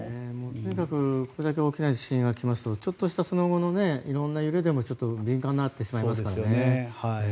とにかくこれだけ大きな地震が起きますとちょっとしたその後の微妙な揺れでも敏感になってしまいますよね。